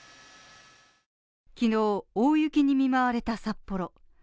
昨日、大雪に見舞われた札幌。